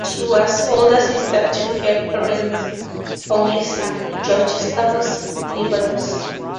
She was older sister to her parents' only son, George Stavros Livanos.